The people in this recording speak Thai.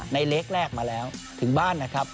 เล็กแรกมาแล้วถึงบ้านนะครับ